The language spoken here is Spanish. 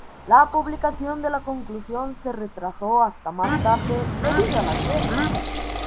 La publicación de la conclusión se retrasó hasta más tarde debido a la guerra.